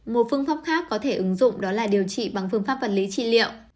một phương pháp khác có thể ứng dụng đó là điều trị bằng phương pháp vật lý trị liệu